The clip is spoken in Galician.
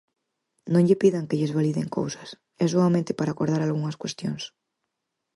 Non lle pidan que lles validen cousas, é soamente para acordar algunhas cuestións.